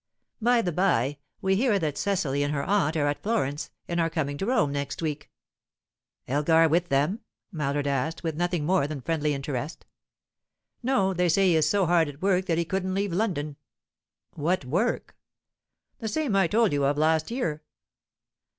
"By the bye, we hear that Cecily and her aunt are at Florence, and are coming to Rome next week." "Elgar with them?" Mallard asked, with nothing more than friendly interest. "No. They say he is so hard at work that he couldn't leave London." "What work?" "The same I told you of last year."